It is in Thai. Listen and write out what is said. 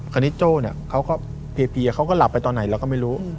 คนนี้โจ้เพียบเขาก็หลับไปตอนไหนเราก็ไม่รู้